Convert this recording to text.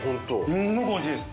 すごくおいしいです！